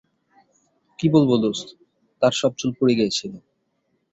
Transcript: কি বলব দোস্ত, তার সব চুল পড়ে গিয়েছিল।